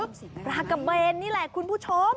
ปลากระเบนนี่แหละคุณผู้ชม